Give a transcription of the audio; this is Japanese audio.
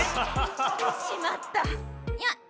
しまったいやた